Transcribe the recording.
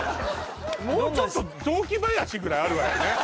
もうちょっと雑木林ぐらいあるわよね